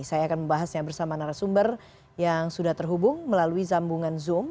saya akan membahasnya bersama narasumber yang sudah terhubung melalui sambungan zoom